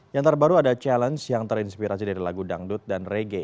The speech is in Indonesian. yang terbaru ada challenge yang terinspirasi dari lagu dangdut dan regge